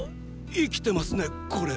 生きてますねこれ！